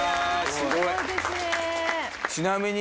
すごいですね。